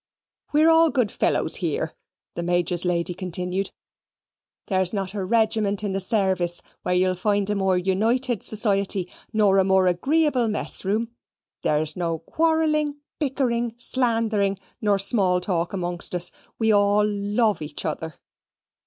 "We're all good fellows here," the Major's lady continued. "There's not a regiment in the service where you'll find a more united society nor a more agreeable mess room. There's no quarrelling, bickering, slandthering, nor small talk amongst us. We all love each other."